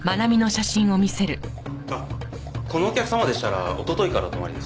あっこのお客様でしたら一昨日からお泊まりです。